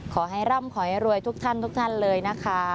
ขอให้ร่ำขอให้รวยทุกท่านทุกท่านเลยนะคะ